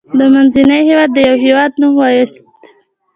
د منځني هيواد دیوه هیواد نوم ووایاست.